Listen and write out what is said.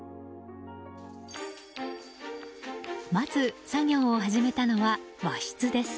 まず作業を始めたのは和室です。